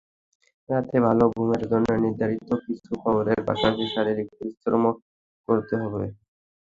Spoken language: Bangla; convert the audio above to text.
রাতে ভালো ঘুমের জন্য নির্ধারিত কিছু খাবারের পাশাপাশি শারীরিক পরিশ্রমও করতে হবে।